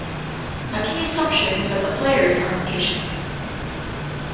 A key assumption is that the players are impatient.